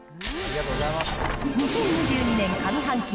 ２０２２年上半期